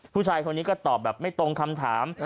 ผู้ชายคนนี้ก็ตอบแบบไม่ตรงคำถาม